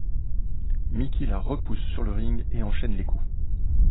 Mickie la repousse sur le ring et enchaîne les coups.